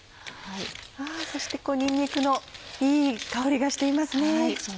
そしてにんにくのいい香りがしていますね。